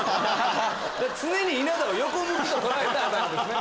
常に稲田を横向きと捉えたあだ名ですね。